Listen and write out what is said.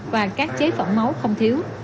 và các chế phẩm máu không thiếu